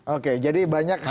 oke jadi banyak hal